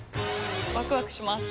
ワクワクします。